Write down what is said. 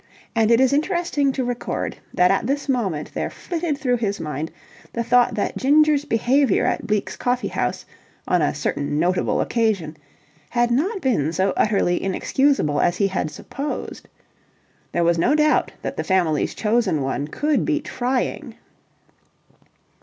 And it is interesting to record that at this moment there flitted through his mind the thought that Ginger's behaviour at Bleke's Coffee House, on a certain notable occasion, had not been so utterly inexcusable as he had supposed. There was no doubt that the Family's Chosen One could be trying.